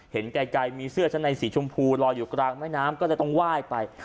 เห็นไกลมีเสื้อชั้นในสีชมพูลอยอยู่กลางแม่น้ำก็เลยต้องไหว้ไป